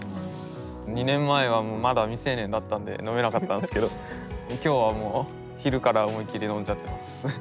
２年前はまだ未成年だったんで飲めなかったんですけど今日はもう昼から思い切り飲んじゃってます。